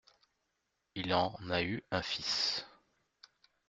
Il en a eu un fils.